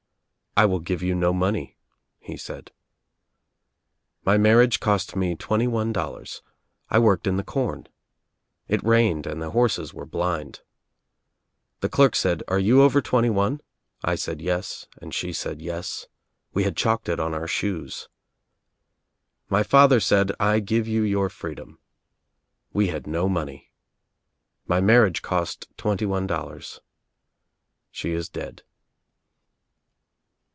" 'I will give you no money,' he said. "My marriage cost me twenty one dollars — I worked in the corn — it rained and the horses were blind — the clerk said, 'Are you over twenty one?' I said 'yes' and she said 'yes.' We had chalked it on our shoes. My father said, 'I give you your freedom.' We had no money. My marriage cost twenty one dol lars. She is dead."